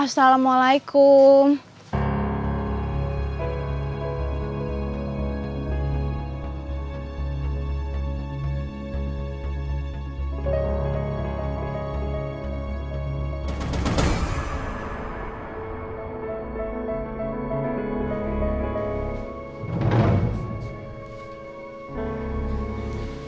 semoga orang itu bener